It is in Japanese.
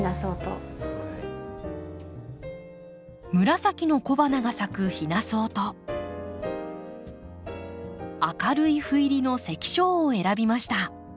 紫の小花が咲くヒナソウと明るい斑入りのセキショウを選びました。